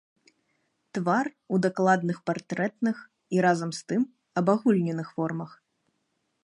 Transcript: Твар у дакладных партрэтных і разам з тым абагульненых формах.